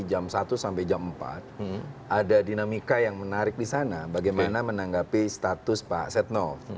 jadi jam satu sampai jam empat ada dinamika yang menarik di sana bagaimana menanggapi status pak setno